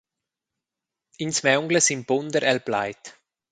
Ins maungla s’impunder el plaid.